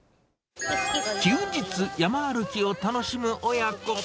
休日、山歩きを楽しむ親子。